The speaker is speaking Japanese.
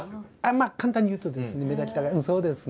まあ簡単に言うとですね目立ちたがりうんそうですね。